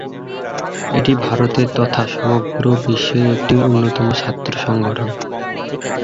এটি ভারতের তথা সমগ্র বিশ্বের একটি অন্যতম ছাত্র সংগঠন।